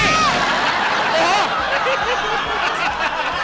โอ้โห